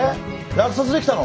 落札できたの？